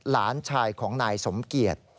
หลานชายของนายสมเกียจ